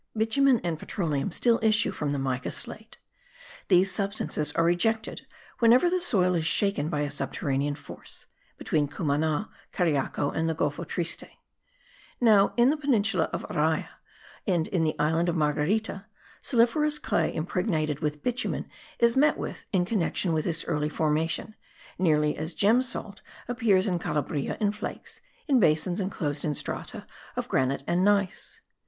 Bitumen and petroleum still issue from the mica slate; these substances are ejected whenever the soil is shaken by a subterranean force (between Cumana, Cariaco and the Golfo Triste). Now, in the peninsula of Araya, and in the island of Marguerita, saliferous clay impregnated with bitumen is met with in connexion with this early formation, nearly as gem salt appears in Calabria in flakes, in basins inclosed in strata of granite and gneiss.